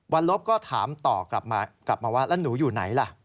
วันลบก็ถามต่อกลับมาว่าแล้วหนูอยู่ไหนล่ะ